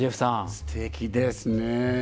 すてきですね。